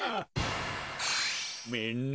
みんな。